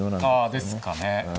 あですかね。